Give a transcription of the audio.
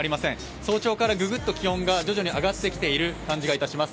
早朝からぐぐっと気温が徐々に上がってきている感じがします。